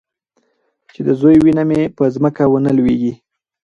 چې د زوى وينه مې په ځمکه ونه لوېږي.